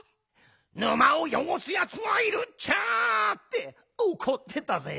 「沼をよごすやつがいるちゃ！」っておこってたぜ。